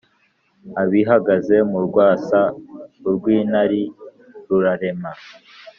abihagaze mu rwasa urw’ intwari rurarema,